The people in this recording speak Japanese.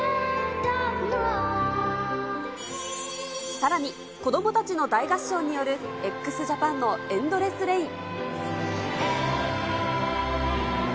さらに、子どもたちの大合唱によるＸＪＡＰＡＮのＥＮＤＬＥＳＳＲＡＩＮ。